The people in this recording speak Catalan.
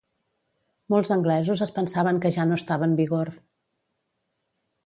Molts anglesos es pensaven que ja no estava en vigor.